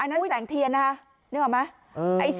หญิงบอกว่าจะเป็นพี่ปวกหญิงบอกว่าจะเป็นพี่ปวก